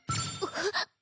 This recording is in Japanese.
あっ。